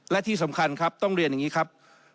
และที่สำคัญครับต้องเรียนอย่างนี้ครับ